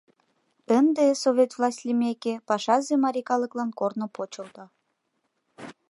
Ынде, Совет власть лиймеке, пашазе марий калыклан корно почылто.